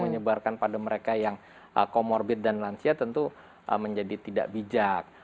menyebarkan pada mereka yang comorbid dan lansia tentu menjadi tidak bijak